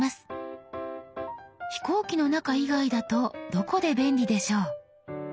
飛行機の中以外だとどこで便利でしょう？